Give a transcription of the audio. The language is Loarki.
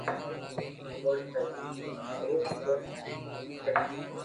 او ݾيوين مون پيسلو رٻڙ ھين ٻجي ݾيون